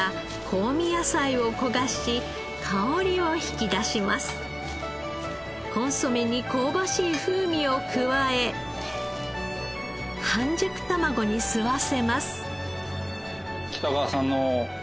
コンソメに香ばしい風味を加え半熟たまごに吸わせます。